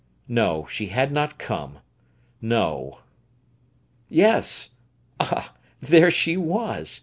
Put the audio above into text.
No; she had not come! No! Yes; ah, there she was!